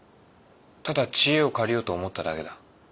ただ知恵を借りようと思っただけだ。